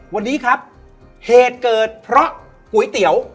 วันนี้ครับเหตุเกิดเพราะก๋วยเตี๋ยว